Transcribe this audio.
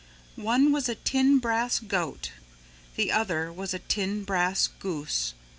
One was a tin brass goat. The other was a tin brass goose.